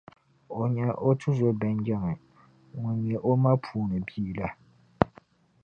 o nya o tizo Bɛnjamin ŋun nyɛ o ma puuni bia la.